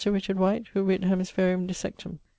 Richard White_, who writt Hemispherium Dissectum.